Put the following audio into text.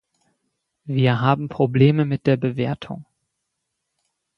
Wir haben Probleme mit der Bewertung.